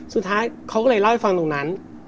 สุดท้ายเขาก็เลยเล่าให้ฟังตรงนั้น